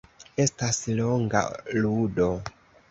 Estas longa ludo.